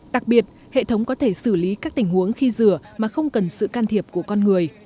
đặc biệt hệ thống có thể xử lý các tình huống khi rửa mà không cần sự can thiệp của con người